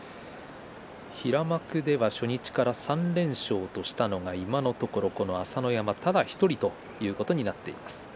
平幕では初日から３連勝としたのが今のところ朝乃山、ただ１人ということになっています。